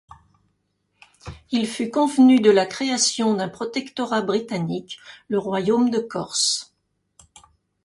Il fut convenu de la création d'un protectorat britannique, le Royaume de Corse.